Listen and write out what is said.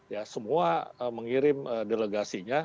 ya semua mengirim delegasinya